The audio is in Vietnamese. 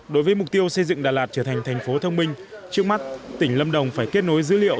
đối với mục tiêu xây dựng đà lạt trở thành thành phố thông minh trước mắt tỉnh lâm đồng phải kết nối dữ liệu